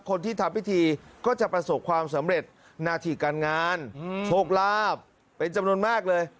คนที่ทำพิธีก็จะประสบความสำเร็จหน้าที่การงานโชคลาภเป็นจำนวนมากเลย